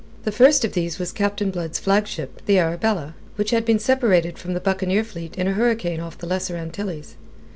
The first of these was Captain Blood's flagship the Arabella, which had been separated from the buccaneer fleet in a hurricane off the Lesser Antilles.